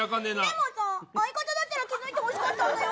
でもさ、相方だったら気付いてほしかったんだよ。